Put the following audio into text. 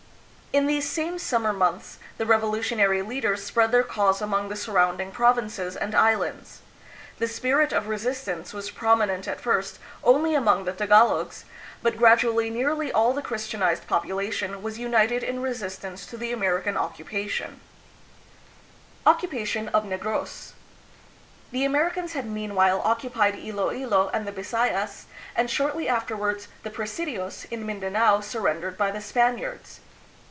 In these same summer months the revolutionary leaders spread their cause among the surrounding provinces and islands. The spirit of re sistance was prominent at first only among the Tagalogs, but gradually nearly all the Christianized population was united in resistance to the American occupation. AMERICA AND THE PHILIPPINES. 301 Occupation of Negros. The Americans had mean while occupied Iloilo and the Bisayas, and shortly after wards the presidios in Mindanao surrendered by the Spaniards.